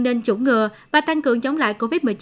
nên chủng ngừa và tăng cường chống lại covid một mươi chín